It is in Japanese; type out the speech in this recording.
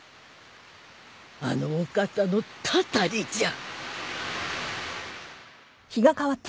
あのお方のたたりじゃ。